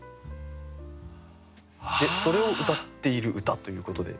でそれをうたっている歌ということで。